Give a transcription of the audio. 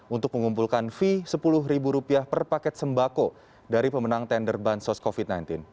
untuk mengumpulkan fee rp sepuluh per paket sembako dari pemenang tender bansos covid sembilan belas